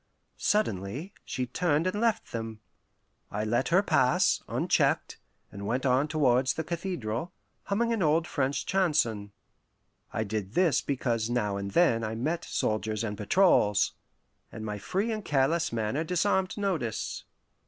Suddenly she turned and left them. I let her pass, unchecked, and went on towards the cathedral, humming an old French chanson. I did this because now and then I met soldiers and patrols, and my free and careless manner disarmed notice.